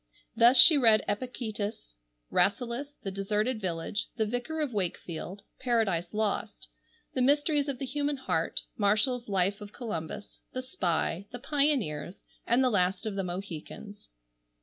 Thus she read Epictetus, Rasselas, The Deserted Village, The Vicar of Wakefield, Paradise Lost, the Mysteries of the Human Heart, Marshall's Life of Columbus, The Spy, The Pioneers, and The Last of the Mohicans.